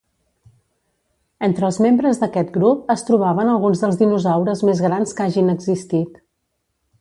Entre els membres d'aquest grup es trobaven alguns dels dinosaures més grans que hagin existit.